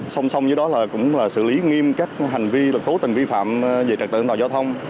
song song với đó là cũng là xử lý nghiêm các hành vi tố tình vi phạm về trạm tượng giao thông